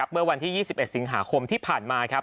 เมื่อวันที่๒๑สิงหาคมที่ผ่านมาครับ